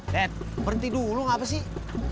dad berhenti dulu ngapasih